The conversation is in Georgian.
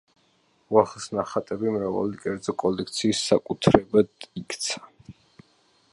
ვახოს ნახატები მრავალი კერძო კოლექციის საკუთრებად იქცა.